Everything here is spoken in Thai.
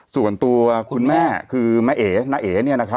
ส่วนตัวคุณแม่คือแม่เอกน้าเอก